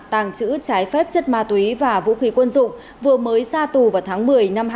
tàng trữ trái phép chất ma túy và vũ khí quân dụng vừa mới ra tù vào tháng một mươi năm hai nghìn hai mươi